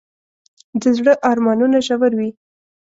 د زړه ارمانونه ژور وي.